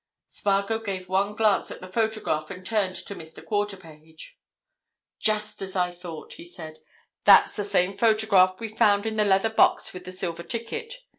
Spargo gave one glance at the photograph and turned to Mr. Quarterpage. "Just as I thought," he said. "That's the same photograph we found in the leather box with the silver ticket.